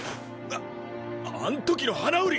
あっあんときの花売り！